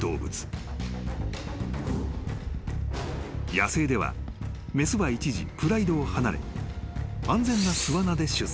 ［野生では雌は一時プライドを離れ安全な巣穴で出産］